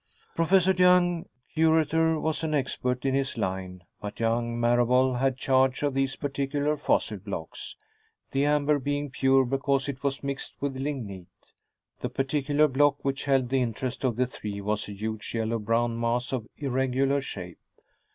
Professor Young, curator, was an expert in his line, but young Marable had charge of these particular fossil blocks, the amber being pure because it was mixed with lignite. The particular block which held the interest of the three was a huge yellow brown mass of irregular shape.